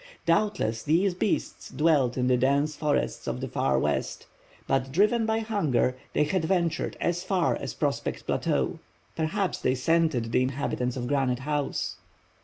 Doubtless these beasts dwelt in the dense forests of the Far West; but driven by hunger, they had ventured as far as Prospect Plateau. Perhaps they scented the inhabitants of Granite House.